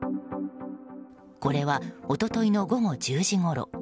これは一昨日の午後１０時ごろ。